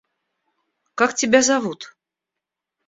Как тебя зовут?